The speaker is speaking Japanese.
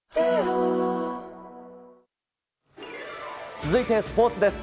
続いてスポーツです。